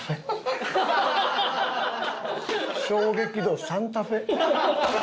衝撃度『サンタフェ』。